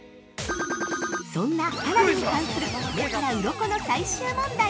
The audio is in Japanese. ◆そんな花火に関する目からうろこの最終問題。